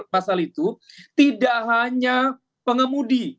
pasal itu tidak hanya pengemudi